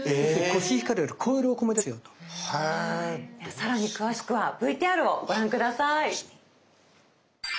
さらに詳しくはＶＴＲをご覧下さい。